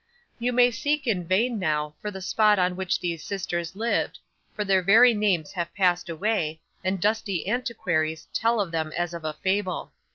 'You may seek in vain, now, for the spot on which these sisters lived, for their very names have passed away, and dusty antiquaries tell of them as of a fable.